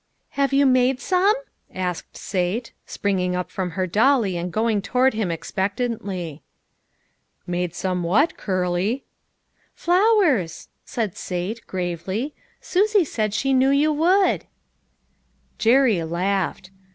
"Have you made some?" asked Sate, springing up from her dolly and go ing toward him expectantly. " Made some what, Curly ?" 222 LITTLE FISHERS : AJ*D THEIR NETS. . "Flowers," said Sate, gravely. "Susie said she knew you would." Jerry laughed.